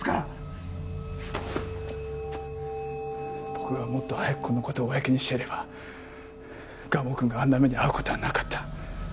僕がもっと早くこの事を公にしていれば蒲生くんがあんな目に遭う事はなかった。